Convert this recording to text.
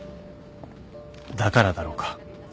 だからだろうか